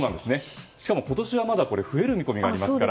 しかも今年はまだ増える見込みがありますから。